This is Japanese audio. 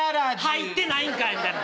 入ってないんかいみたいな。